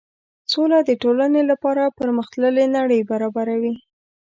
سوله د ټولنې لپاره پرمخ تللې نړۍ برابروي.